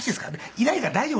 「いないから大丈夫。